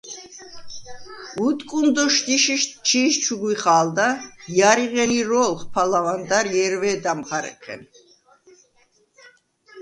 უტკუნ დოშდიშიშდ ჩი̄ს ჩუ გვიხა̄ლდა, ჲარი ღენ ირო̄ლხ ფალავანდარ ჲერვე̄და მხარეხენ.